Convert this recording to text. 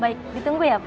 baik ditunggu ya pak